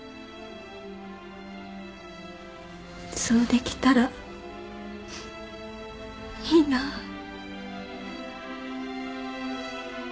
そうできたらいいなぁ